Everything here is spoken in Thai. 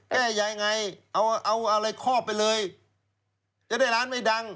แก้ยังไงเอาเอาอะไรคอบไปเลยจะได้ร้านไม่ดัง